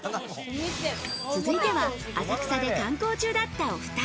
続いては、浅草で観光中だったお２人。